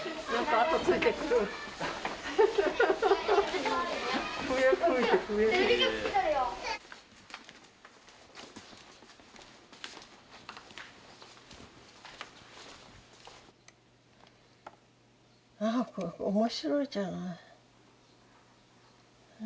あこれ面白いじゃない。